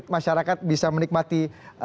masyarakat bisa menikmati